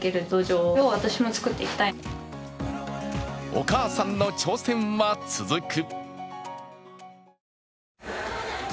お母さんの挑戦は続く。